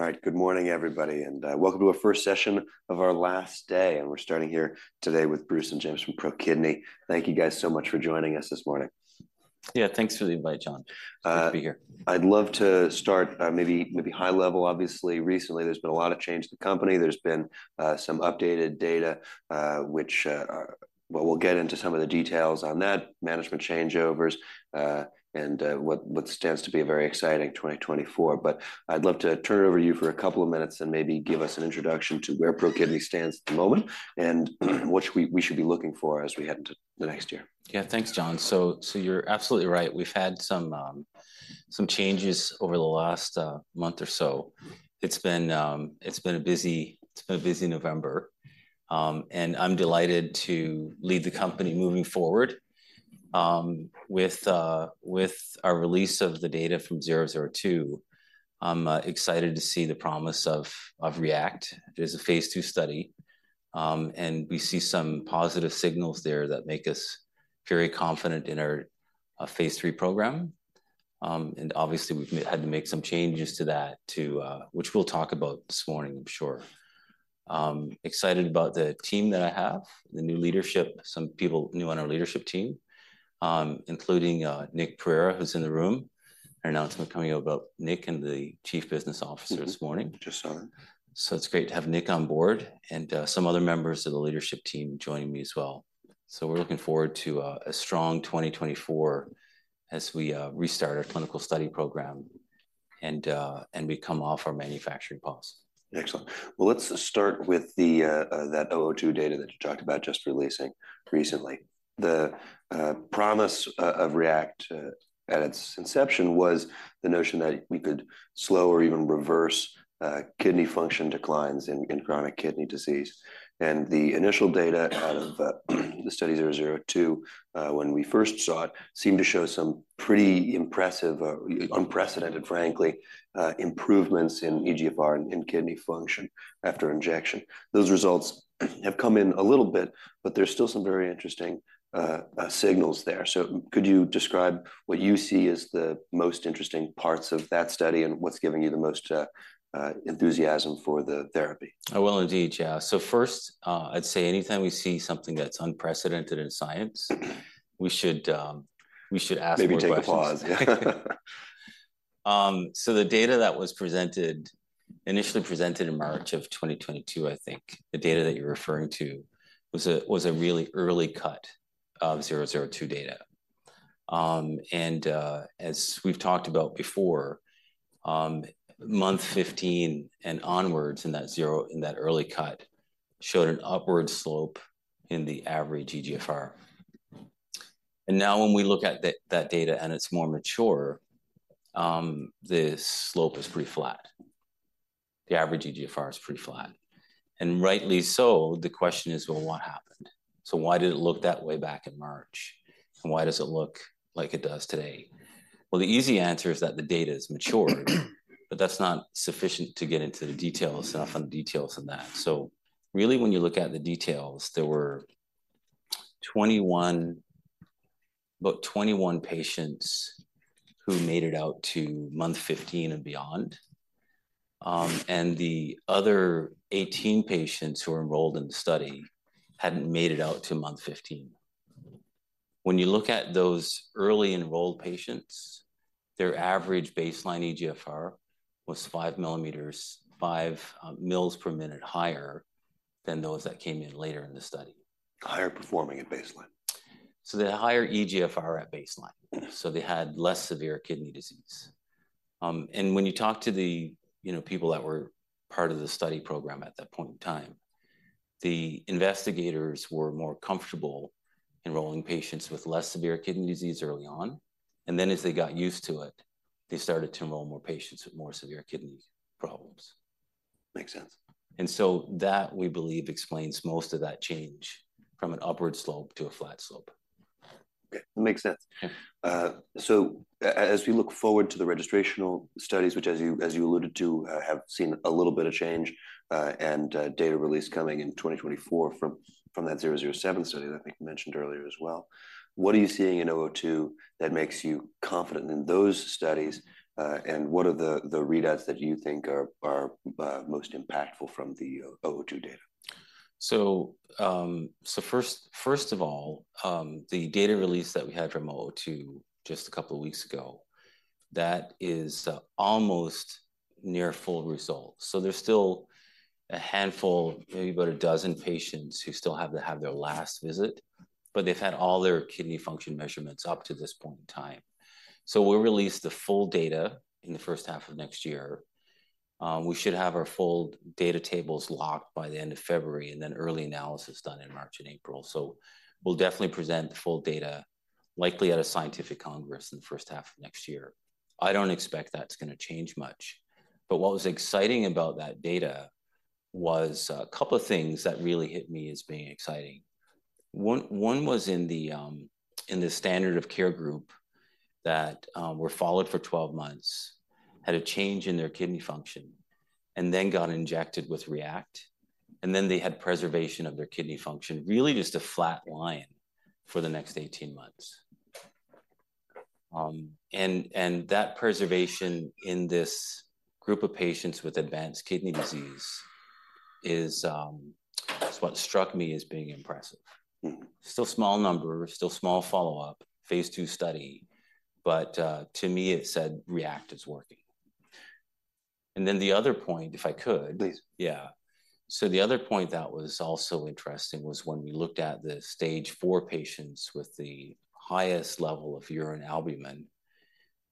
All right. Good morning, everybody, and welcome to our first session of our last day. We're starting here today with Bruce and James from ProKidney. Thank you guys so much for joining us this morning. Yeah, thanks for the invite, John. Glad to be here. I'd love to start, maybe, maybe high level. Obviously, recently, there's been a lot of change to the company. There's been some updated data, which, well, we'll get into some of the details on that, management changeovers, and what stands to be a very exciting 2024. But I'd love to turn it over to you for a couple of minutes and maybe give us an introduction to where ProKidney stands at the moment, and what should we, we should be looking for as we head into the next year. Yeah, thanks, John. So you're absolutely right. We've had some changes over the last month or so. It's been a busy November, and I'm delighted to lead the company moving forward. With our release of the data from 002, I'm excited to see the promise of REACT. There's a Phase II study, and we see some positive signals there that make us very confident in our Phase III program. And obviously, we've had to make some changes to that, which we'll talk about this morning, I'm sure. I'm excited about the team that I have, the new leadership, some people new on our leadership team, including Nikhil Pereira, who's in the room. An announcement coming out about Nick and the Chief Business Officer this morning. Just saw her. So it's great to have Nick on board and some other members of the leadership team joining me as well. So we're looking forward to a strong 2024 as we restart our clinical study program, and we come off our manufacturing pause. Excellent. Well, let's start with the 002 data that you talked about just releasing recently. The promise of REACT at its inception was the notion that we could slow or even reverse kidney function declines in chronic kidney disease. And the initial data out of the study 002 when we first saw it seemed to show some pretty impressive, unprecedented, frankly, improvements in eGFR and kidney function after injection. Those results have come in a little bit, but there's still some very interesting signals there. So could you describe what you see as the most interesting parts of that study, and what's giving you the most enthusiasm for the therapy? I will indeed, yeah. So first, I'd say anytime we see something that's unprecedented in science, we should, we should ask more questions. Maybe take a pause. So the data that was presented, initially presented in March of 2022, I think, the data that you're referring to, was a really early cut of 002 data. And as we've talked about before, month 15 and onwards in that early cut showed an upward slope in the average eGFR. And now, when we look at that data, and it's more mature, the slope is pretty flat. The average eGFR is pretty flat, and rightly so. The question is: Well, what happened? So why did it look that way back in March? And why does it look like it does today? Well, the easy answer is that the data is matured, but that's not sufficient to get into the details, enough of the details on that. So really, when you look at the details, there were 21, about 21 patients who made it out to month 15 and beyond, and the other 18 patients who were enrolled in the study hadn't made it out to month 15. When you look at those early enrolled patients, their average baseline eGFR was 5 ml/min higher than those that came in later in the study. Higher performing at baseline. So they had higher eGFR at baseline, so they had less severe kidney disease. And when you talk to the, you know, people that were part of the study program at that point in time, the investigators were more comfortable enrolling patients with less severe kidney disease early on, and then as they got used to it, they started to enroll more patients with more severe kidney problems. Makes sense. That, we believe, explains most of that change from an upward slope to a flat slope. Okay, makes sense. Yeah. So as we look forward to the registrational studies, which, as you alluded to, have seen a little bit of change, and data release coming in 2024 from that 007 study that I think you mentioned earlier as well, what are you seeing in 002 that makes you confident in those studies, and what are the readouts that you think are most impactful from the 002 data? So, first of all, the data release that we had from 002, just a couple of weeks ago, that is almost near full results. So there's still a handful, maybe about a dozen patients, who still have to have their last visit, but they've had all their kidney function measurements up to this point in time. So we'll release the full data in the first half of next year. We should have our full data tables locked by the end of February, and then early analysis done in March and April. So we'll definitely present the full data, likely at a scientific congress, in the first half of next year. I don't expect that's gonna change much, but what was exciting about that data was a couple of things that really hit me as being exciting. One, one was in the standard of care group that were followed for 12 months, had a change in their kidney function, and then got injected with REACT, and then they had preservation of their kidney function. Really, just a flat line for the next 18 months... And that preservation in this group of patients with advanced kidney disease is what struck me as being impressive. Mm-hmm. Still small number, still small follow-up, Phase II study, but, to me, it said REACT is working. And then the other point, if I could- Please. Yeah. So the other point that was also interesting was when we looked at the Stage 4 patients with the highest level of urine albumin,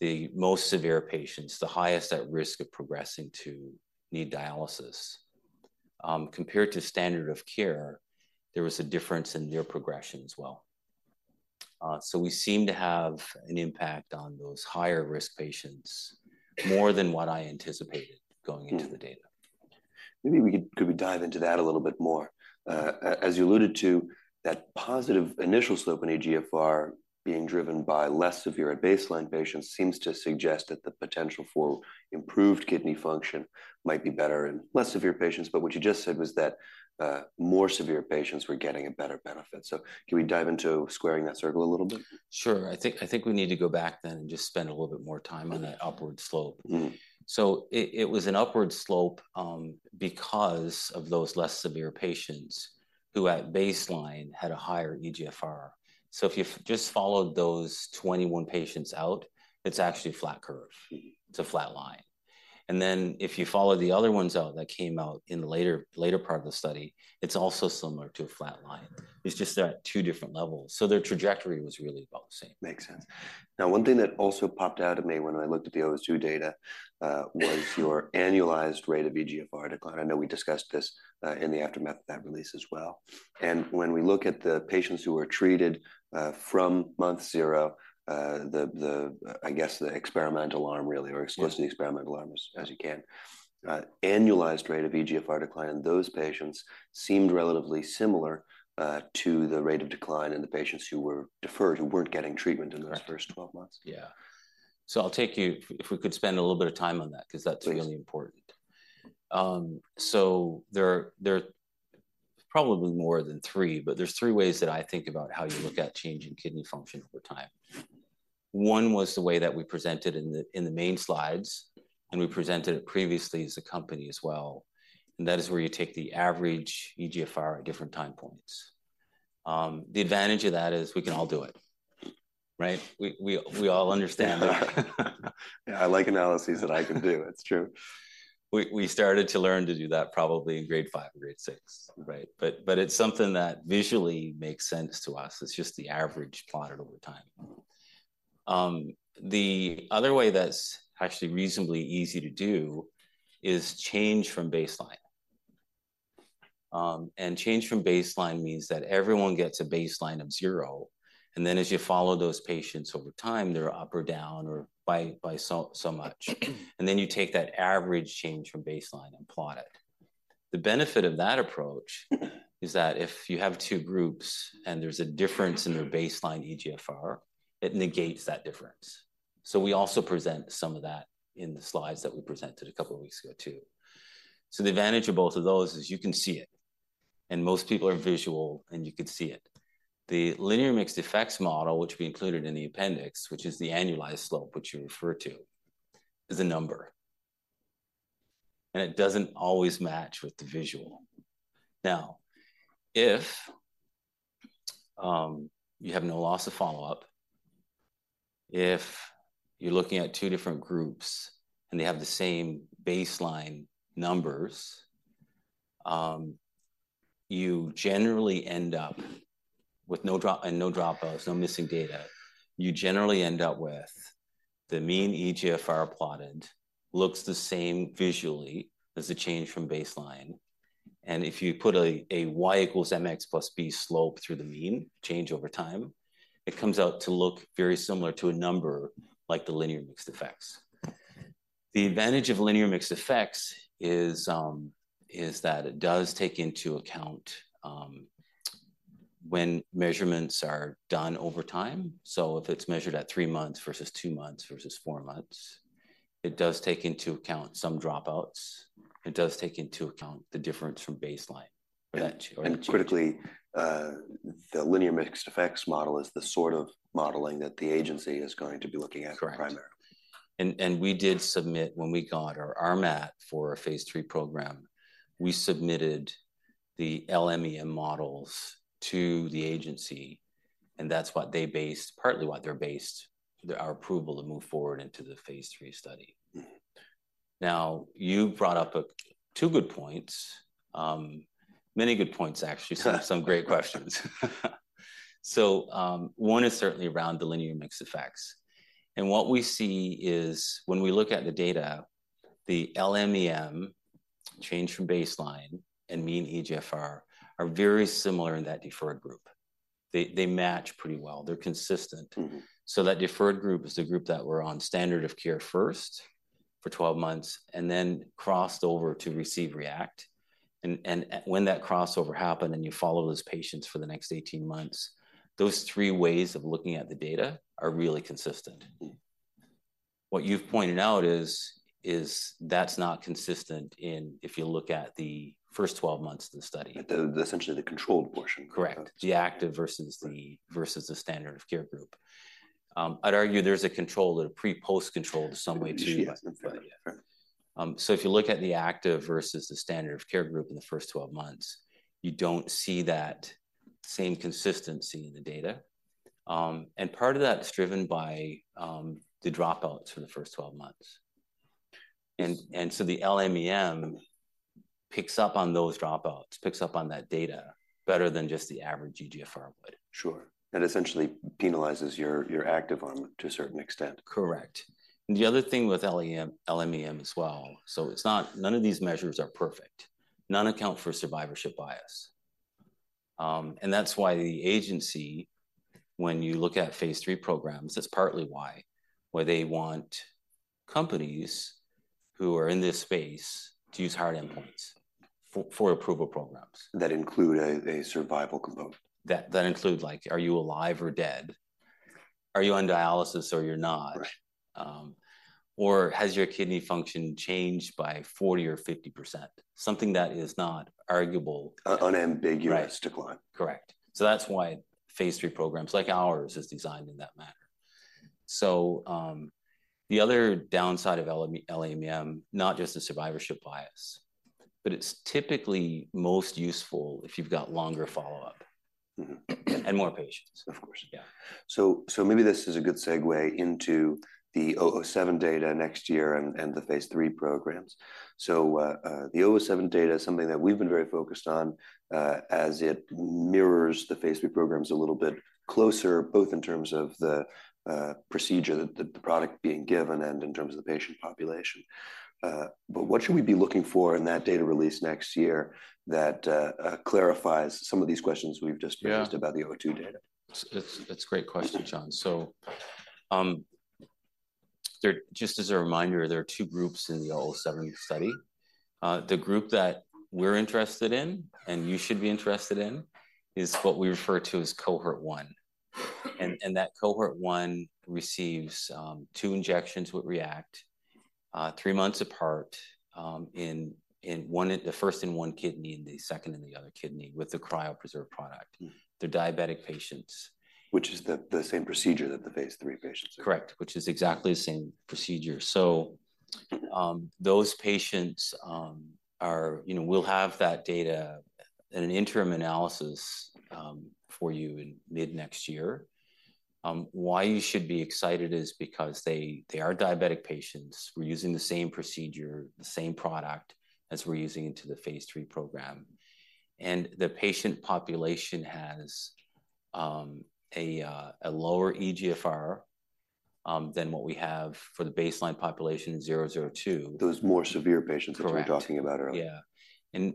the most severe patients, the highest at risk of progressing to need dialysis, compared to standard of care, there was a difference in their progression as well. So we seem to have an impact on those higher-risk patients, more than what I anticipated going into the data. Maybe we could dive into that a little bit more? As you alluded to, that positive initial slope in eGFR being driven by less severe at baseline patients seems to suggest that the potential for improved kidney function might be better in less severe patients. But what you just said was that more severe patients were getting a better benefit. So can we dive into squaring that circle a little bit? Sure. I think, I think we need to go back then and just spend a little bit more time on that upward slope. Mm-hmm. So it was an upward slope, because of those less severe patients who, at baseline, had a higher eGFR. So if you just followed those 21 patients out, it's actually a flat curve. Mm. It's a flat line. Then, if you follow the other ones out that came out in the later, later part of the study, it's also similar to a flat line. It's just they're at two different levels, so their trajectory was really about the same. Makes sense. Now, one thing that also popped out at me when I looked at the O02 data was your annualized rate of eGFR decline. I know we discussed this in the aftermath of that release as well. When we look at the patients who were treated from month 0, I guess, the experimental arm, really- Yeah... or exclusively experimental arm, as, as you can. Annualized rate of eGFR decline in those patients seemed relatively similar, to the rate of decline in the patients who were deferred, who weren't getting treatment in those first 12 months. Correct. Yeah. So I'll take you—if we could spend a little bit of time on that, 'cause that's— Please... really important. So there are probably more than three, but there's three ways that I think about how you look at change in kidney function over time. One was the way that we presented in the main slides, and we presented it previously as a company as well, and that is where you take the average eGFR at different time points. The advantage of that is we can all do it, right? We all understand that. Yeah, I like analyses that I can do. It's true. We started to learn to do that probably in grade five or grade six, right? But it's something that visually makes sense to us. It's just the average plotted over time. The other way that's actually reasonably easy to do is change from baseline. And change from baseline means that everyone gets a baseline of zero, and then as you follow those patients over time, they're up or down or by so much. And then you take that average change from baseline and plot it. The benefit of that approach is that if you have two groups, and there's a difference in their baseline eGFR, it negates that difference. So we also present some of that in the slides that we presented a couple of weeks ago, too. So the advantage of both of those is you can see it, and most people are visual, and you can see it. The Linear Mixed Effects Model, which we included in the appendix, which is the annualized slope, which you referred to, is a number, and it doesn't always match with the visual. Now, if you have no loss of follow-up, if you're looking at two different groups, and they have the same baseline numbers, you generally end up with no dropouts, no missing data, you generally end up with the mean eGFR plotted looks the same visually as the change from baseline. And if you put a y=mx+b slope through the mean change over time, it comes out to look very similar to a number like the Linear Mixed Effects Model. The advantage of linear mixed effects is that it does take into account when measurements are done over time. So if it's measured at 3 months versus 2 months versus 4 months, it does take into account some dropouts. It does take into account the difference from baseline, that or g- Critically, the Linear Mixed Effects Model is the sort of modeling that the agency is going to be looking at primarily. Correct. And we did submit. When we got our RMAT for our Phase III program, we submitted the LMEM models to the agency, and that's what they based, partly what they're based their, our approval to move forward into the Phase III study. Mm-hmm. Now, you brought up two good points. Many good points, actually. Some great questions. So, one is certainly around the linear mixed effects. And what we see is, when we look at the data, the LMEM change from baseline and mean eGFR are very similar in that deferred group. They match pretty well. They're consistent. Mm-hmm. So that deferred group is the group that were on standard of care first for 12 months and then crossed over to receive REACT. And when that crossover happened, and you follow those patients for the next 18 months, those three ways of looking at the data are really consistent... what you've pointed out is that's not consistent, if you look at the first 12 months of the study. Essentially, the controlled portion. Correct. The active versus the standard of care group. I'd argue there's a control, a pre-post control in some way, too. Yes. So if you look at the active versus the standard of care group in the first 12 months, you don't see that same consistency in the data. Part of that is driven by the dropouts for the first 12 months. So the LMEM picks up on those dropouts, picks up on that data better than just the average eGFR would. Sure. That essentially penalizes your active arm to a certain extent. Correct. The other thing with LMEM as well, so it's not none of these measures are perfect. None account for survivorship bias. And that's why the agency, when you look at Phase III programs, that's partly why they want companies who are in this space to use hard endpoints for approval programs. That include a survival component. That include, like, are you alive or dead? Are you on dialysis or you're not? Right. Or has your kidney function changed by 40% or 50%? Something that is not arguable- Unambiguous decline. Correct. So that's why Phase III programs, like ours, is designed in that manner. So, the other downside of LMEM, not just the survivorship bias, but it's typically most useful if you've got longer follow-up- Mm-hmm. - and more patients. Of course. Yeah. So maybe this is a good segue into the 007 data next year and the Phase III programs. So, the 007 data is something that we've been very focused on, as it mirrors the Phase III programs a little bit closer, both in terms of the procedure, the product being given, and in terms of the patient population. But what should we be looking for in that data release next year that clarifies some of these questions we've just raised? Yeah about the 002 data? It's a great question, John. So, just as a reminder, there are two groups in the 007 study. The group that we're interested in, and you should be interested in, is what we refer to as Cohort One. And that Cohort One receives two injections with REACT, three months apart, in one, the first in one kidney and the second in the other kidney, with the cryopreserved product. Mm-hmm. They're diabetic patients. Which is the same procedure that the Phase III patients are in. Correct, which is exactly the same procedure. So, those patients, you know, we'll have that data in an interim analysis for you in mid-next year. Why you should be excited is because they, they are diabetic patients. We're using the same procedure, the same product as we're using into the Phase III program. And the patient population has a lower eGFR than what we have for the baseline population in 002. Those more severe patients- Correct that we were talking about earlier. Yeah.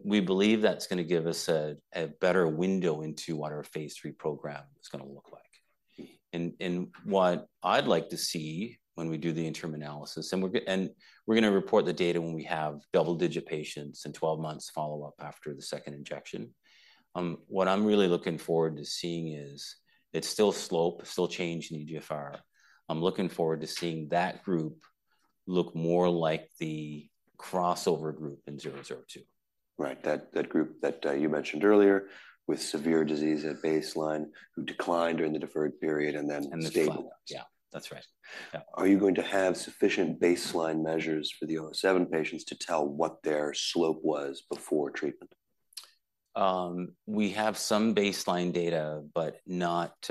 We believe that's gonna give us a better window into what our Phase III program is gonna look like. Mm-hmm. and what I'd like to see when we do the interim analysis, and we're gonna report the data when we have double-digit patients and 12 months follow-up after the second injection. What I'm really looking forward to seeing is, it's still slope, still change in eGFR. I'm looking forward to seeing that group look more like the crossover group in 002. Right, that group that you mentioned earlier, with severe disease at baseline, who declined during the deferred period and then stabilized. And then climbed. Yeah, that's right. Yeah. Are you going to have sufficient baseline measures for the 007 patients to tell what their slope was before treatment? We have some baseline data, but not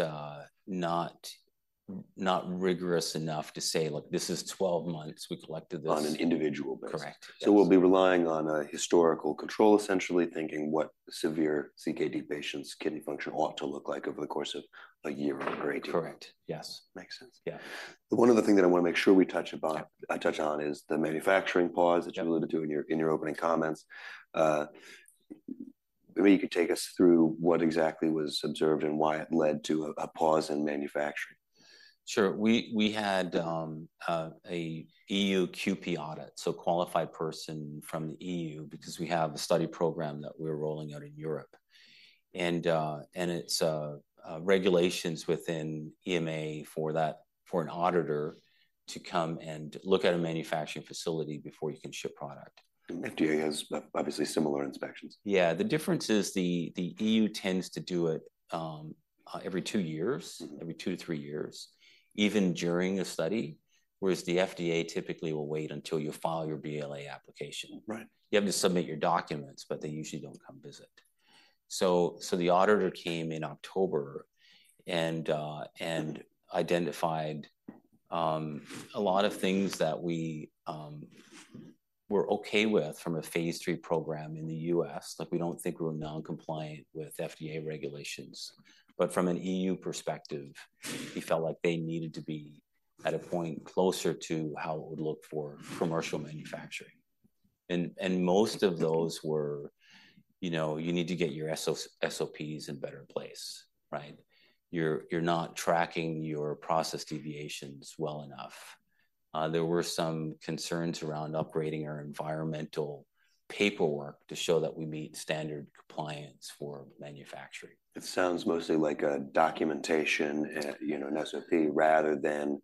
rigorous enough to say, "Look, this is 12 months, we collected this- On an individual basis. Correct. So we'll be relying on a historical control, essentially, thinking what severe CKD patients' kidney function ought to look like over the course of a year or a great year. Correct. Yes. Makes sense. Yeah. One other thing that I wanna make sure we touch about- Yeah... I touch on, is the manufacturing pause- Yeah -that you alluded to in your, in your opening comments. Maybe you could take us through what exactly was observed and why it led to a, a pause in manufacturing? Sure. We had an EU QP audit, so qualified person from the EU, because we have a study program that we're rolling out in Europe. And it's regulations within EMA for that, for an auditor to come and look at a manufacturing facility before you can ship product. The FDA has, obviously, similar inspections. Yeah. The difference is the EU tends to do it every two years. Mm-hmm... every 2-3 years, even during a study, whereas the FDA typically will wait until you file your BLA application. Right. You have to submit your documents, but they usually don't come visit. So the auditor came in October and identified a lot of things that we were okay with from a Phase III program in the U.S. Like, we don't think we're non-compliant with FDA regulations. But from an EU perspective, we felt like they needed to be at a point closer to how it would look for commercial manufacturing. And most of those were you know, you need to get your SOPs in better place, right? You're not tracking your process deviations well enough. There were some concerns around upgrading our environmental paperwork to show that we meet standard compliance for manufacturing. It sounds mostly like a documentation, you know, an SOP, rather than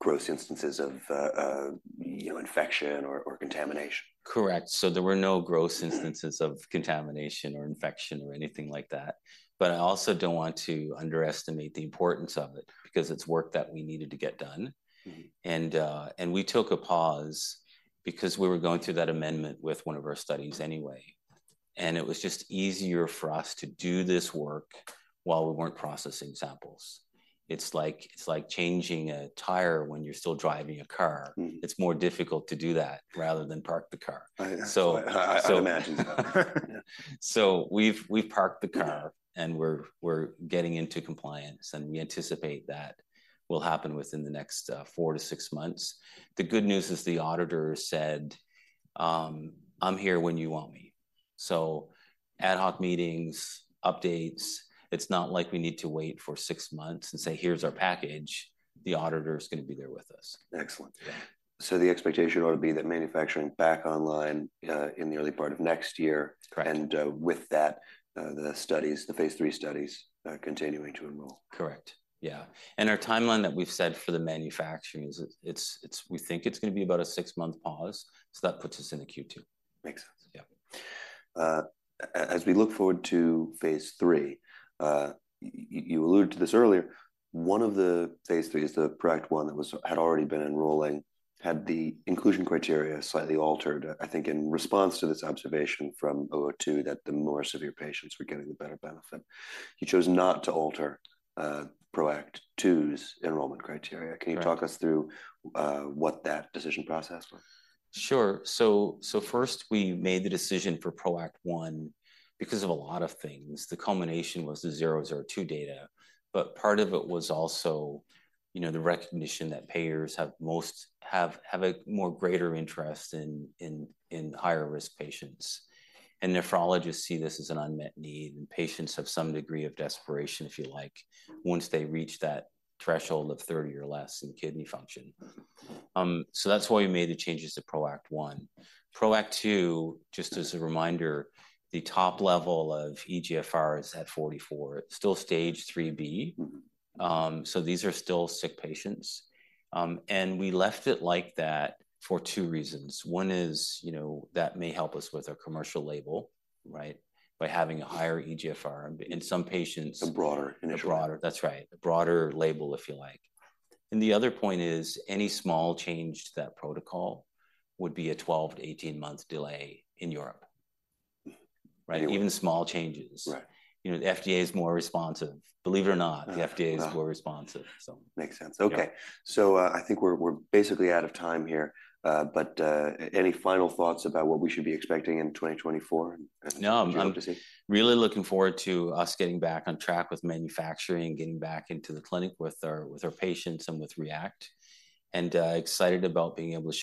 gross instances of, you know, infection or contamination. Correct. So there were no gross instances- Mm of contamination or infection or anything like that. But I also don't want to underestimate the importance of it, because it's work that we needed to get done. Mm. we took a pause because we were going through that amendment with one of our studies anyway, and it was just easier for us to do this work while we weren't processing samples. It's like, it's like changing a tire when you're still driving a car. Mm. It's more difficult to do that, rather than park the car. I- So, so- I would imagine so. So we've parked the car- Yeah and we're getting into compliance, and we anticipate that will happen within the next 4-6 months. The good news is the auditor said, "I'm here when you want me." So ad hoc meetings, updates, it's not like we need to wait for 6 months and say, "Here's our package." The auditor is gonna be there with us. Excellent. Yeah. So the expectation ought to be that manufacturing back online in the early part of next year. Correct... and, with that, the studies, the Phase III studies, are continuing to enroll? Correct. Yeah. Our timeline that we've set for the manufacturing is, it's gonna be about a six-month pause, so that puts us into Q2. Makes sense. Yeah. As we look forward to Phase III, you alluded to this earlier, one of the Phase III is the PROACT 1 that had already been enrolling, had the inclusion criteria slightly altered, I think, in response to this observation from 002, that the more severe patients were getting the better benefit. You chose not to alter PROACT 2's enrollment criteria. Right. Can you talk us through what that decision process was? Sure. So first, we made the decision for PROACT 1 because of a lot of things. The culmination was the 002 data. But part of it was also, you know, the recognition that payers have a more greater interest in higher-risk patients. And nephrologists see this as an unmet need, and patients have some degree of desperation, if you like, once they reach that threshold of 30 or less in kidney function. Mm-hmm. So, that's why we made the changes to PROACT 1. PROACT 2, just as a reminder, the top level of eGFR is at 44. It's still Stage 3B. Mm-hmm. So these are still sick patients. And we left it like that for two reasons. One is, you know, that may help us with our commercial label, right, by having a higher eGFR, in some patients- A broader indication. That's right. A broader label, if you like. And the other point is, any small change to that protocol would be a 12-18-month delay in Europe. Mm. Right? Yeah. Even small changes. Right. You know, the FDA is more responsive. Believe it or not—the FDA is more responsive, so. Makes sense. Yeah. Okay. So, I think we're basically out of time here, but any final thoughts about what we should be expecting in 2024 and... No, I'm really looking forward to us getting back on track with manufacturing, and getting back into the clinic with our, with our patients and with REACT, and excited about being able to-